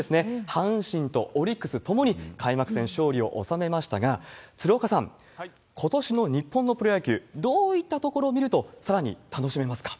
阪神とオリックス、ともに開幕戦勝利を収めましたが、鶴岡さん、ことしの日本のプロ野球、どういったところを見ると、さらに楽しめますか？